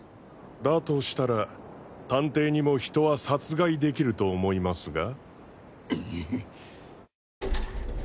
だとしたら探偵にも人は殺害できると思いますが？